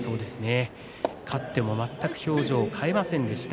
勝っても全く表情を変えませんでした